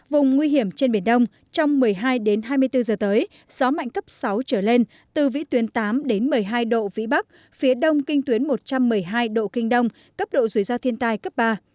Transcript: vùng nguy hiểm trên biển đông trong một mươi hai hai mươi bốn giờ tới gió mạnh cấp sáu trở lên từ vĩ tuyến tám một mươi hai độ vĩ bắc phía đông kinh tuyến một trăm một mươi hai độ kinh đông cấp độ rủi ro thiên tai cấp ba